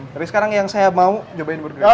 jadi sekarang yang saya mau cobain burgerins